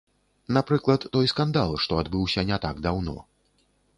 Напрыклад, той скандал, што адбыўся не так даўно.